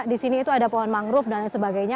di sini itu ada pohon mangrove dan lain sebagainya